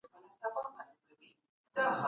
خلکو له ډېر پخوا څخه د ښه سياست غوښتنه کوله.